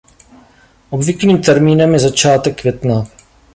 Obvyklým termínem je začátek května.